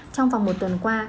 trong vòng một tuần qua